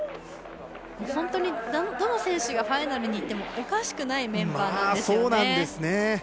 本当にどの選手がファイナルにいってもおかしくないメンバーなんですよ。